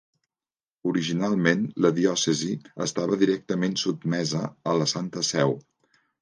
Originalment, la diòcesi estava directament sotmesa a la Santa Seu.